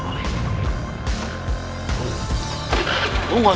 lu gak usah nge